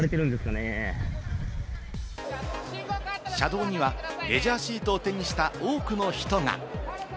車道にはレジャーシートを手にした多くの人が。